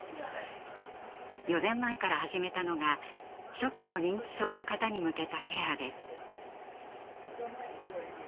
４年前から始めたのが初期の認知症の方に向けたケアです。